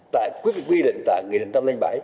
tại quy định tại nghị định một trăm linh bảy